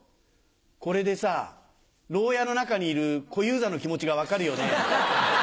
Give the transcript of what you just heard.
これでさ牢屋の中にいる小遊三の気持ちが分かるよね。